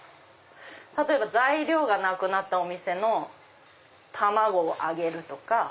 例えば材料がなくなったお店の卵をあげるとか。